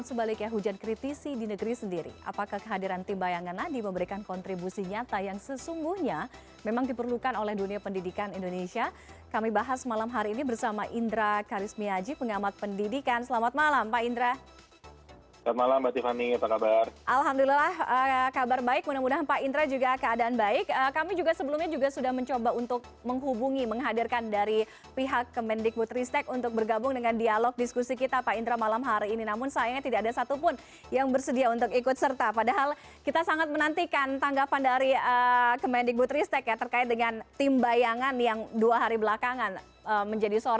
selamat malam mbak tiffany apa kabar